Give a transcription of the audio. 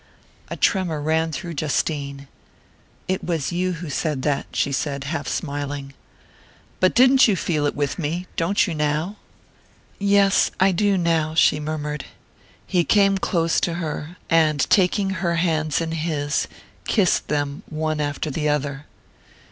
A tremor ran through Justine. "It was you who said that," she said, half smiling. "But didn't you feel it with me? Don't you now?" "Yes I do now," she murmured. He came close to her, and taking her hands in his, kissed them one after the other.